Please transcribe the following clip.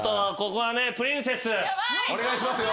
お願いしますよ。